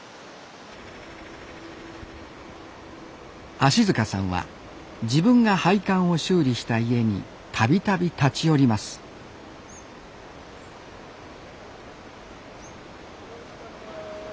芦さんは自分が配管を修理した家に度々立ち寄りますごめんください。